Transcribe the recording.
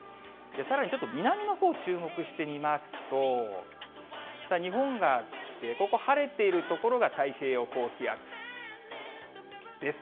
さらにちょっと南のほう注目してみますと、日本があって、ここ、晴れている所が太平洋高気圧です。